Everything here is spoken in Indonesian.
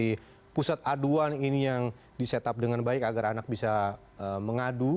ini agar menurut saya pusat aduan ini isit up dengan baik manfaat bisa mengadu